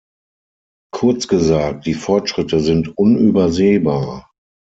Kurz gesagt, die Fortschritte sind unübersehbar.